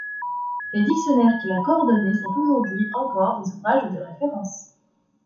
Les dictionnaires qu'il a coordonnés sont aujourd'hui encore des ouvrages de référence.